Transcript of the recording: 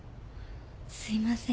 すいません。